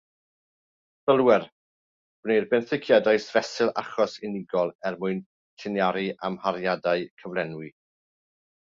Sylwer: gwneir benthyciadau fesul achos unigol er mwyn lliniaru amhariadau cyflenwi.